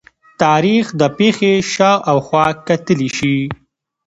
تاریخ د پېښې شا او خوا کتلي شي.